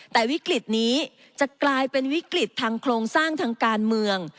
แต่วิกฤตนี้จะกลายเป็นวิกฤตทางโครงสร้างทางการเมือง